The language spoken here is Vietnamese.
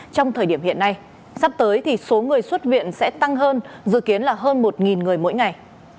trong thời điểm hiện nay sắp tới thì số người xuất viện sẽ tăng hơn dự kiến là hơn một người mỗi ngày